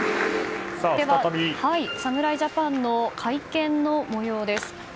では侍ジャパンの会見の模様です。